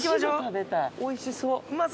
おいしそう。